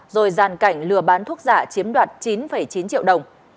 rồi giàn cảnh lừa bán thuốc giả chiếm đoạt chín chín triệu đồng